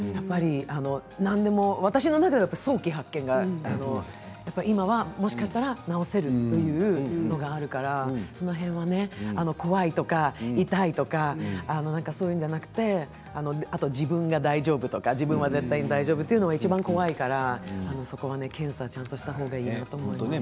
何でも私の中では早期発見が今はもしかしたら治せるというというのがあるから、その辺は怖いとか痛いとかそういうのではなくてあと、自分が大丈夫とか自分は絶対大丈夫というのがいちばん怖いから検査をちゃんとしていった方がいいなと思っています。